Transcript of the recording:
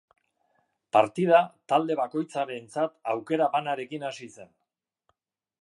Partida talde bakoitzarentzat aukera banarekin hasi zen.